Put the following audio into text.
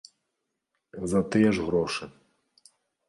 За тыя ж грошы.